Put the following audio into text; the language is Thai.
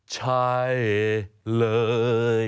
ใช่เลย